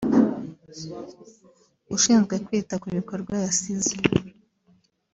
ushinzwe kwita ku bikorwa yasize